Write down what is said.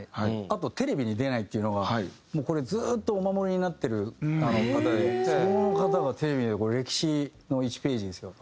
あとテレビに出ないっていうのがもうこれずっとお守りになってる方でその方がテレビでこれ歴史の１ページですよ。